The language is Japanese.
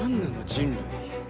人類。